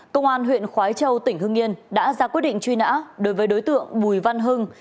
công an huyện khói châu tỉnh hưng yên đã ra quyết định truy nã đối với đối tượng bùi văn hưng